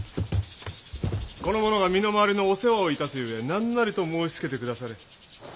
この者が身の回りのお世話をいたすゆえ何なりと申しつけてくだされ。